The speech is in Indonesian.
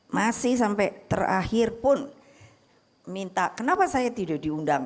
masih sampai terakhir pun minta kenapa saya tidur di sini